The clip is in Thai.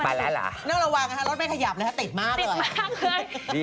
ไปแล้วเหรอรถมันระวังนะคะรถไม่ขยับเลยค่ะติดมากเลยติดมากเลย